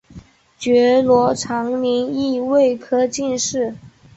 觉罗长麟乙未科进士。